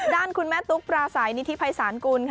ด้านคุณแม่ตุ๊กปราศัยนิธิภัยศาลกุลค่ะ